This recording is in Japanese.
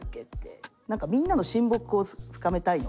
何かみんなの親睦を深めたいのか